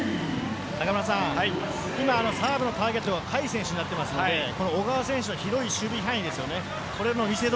今、サーブのターゲットが甲斐選手になっていますので小川選手の広い守備範囲